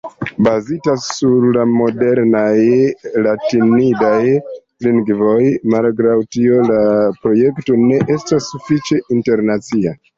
Bazita sur la modernaj latinidaj lingvoj, malgraŭ tio, la projekto ne estas sufiĉe internacia.